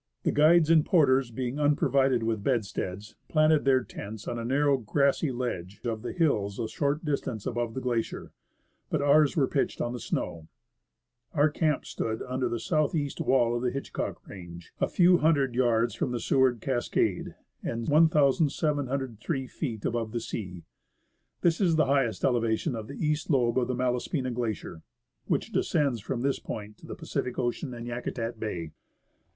The guides and porters being unprovided with bedsteads, planted their tents on a narrow grassy ledge of the hills a short distance above the glacier, but ours were pitched on the snow. Our camp stood under the south east 92 w u << CO < i o CO W THE MALASPINA GLACIER wall of the Hitchcock range, a few hundred yards from the Seward cascade, and 1,703 feet above the sea. This is the highest elevation of the east lobe of the Malaspina Glacier, which descends from this point to the Pacific Ocean and Yakutat Bay.